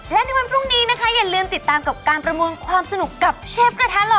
และในวันพรุ่งนี้นะคะอย่าลืมติดตามกับการประมวลความสนุกกับเชฟกระทะหล่อ